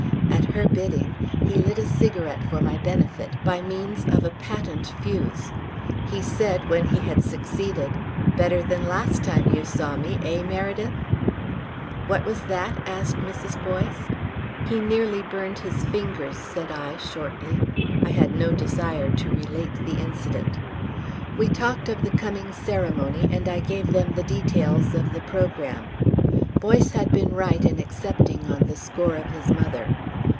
At her bidding he lit a cigarette for my benefit, by means of a patent fuse. He said, when he had succeeded: "Better than the last time you saw me, eh, Meredyth?" "What was that?" asked Mrs. Boyce. "He nearly burned his fingers," said I, shortly. I had no desire to relate the incident. We talked of the coming ceremony and I gave them the details of the programme. Boyce had been right in accepting on the score of his mother.